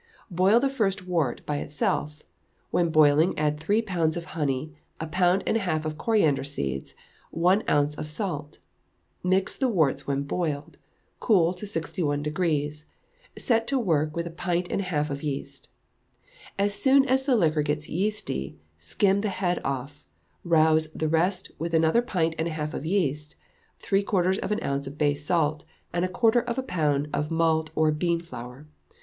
Boil the first wort by itself; when boiling add three pounds of honey, a pound and a half of coriander seeds, one ounce of salt. Mix the worts when boiled, cool to 61°, set to work with a pint and a half of yeast. As soon as the liquor gets yeasty, skim the head half off; rouse the rest with another pint and a half of yeast, three quarters of an ounce of bay salt, and a quarter of a pound of malt or bean flour.